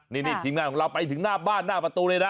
นี่ทีมงานของเราไปถึงหน้าบ้านหน้าประตูเลยนะ